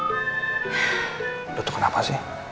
nyalain gue mau lo gue tuh gak pernah bener di mata lo